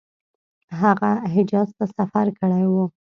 هغه حجاز ته سفر کړی وو.